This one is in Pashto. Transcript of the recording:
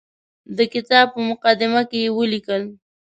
د کتاب په مقدمه کې یې ولیکل.